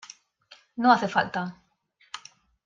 no hace falta.